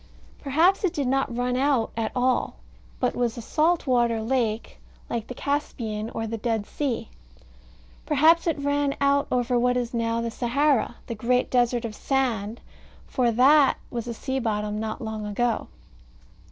Perhaps it did not run out at all; but was a salt water lake, like the Caspian, or the Dead Sea. Perhaps it ran out over what is now the Sahara, the great desert of sand, for, that was a sea bottom not long ago.